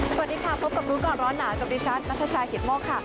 สวัสดีค่ะพบกับรู้ก่อนร้อนหนาวกับดิฉันนัทชายกิตโมกค่ะ